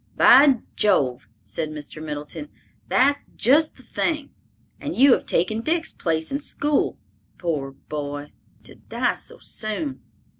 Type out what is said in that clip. "By Jove," said Mr. Middleton, "that's just the thing! And you have taken Dick's place in school—poor, boy, to die so soon!"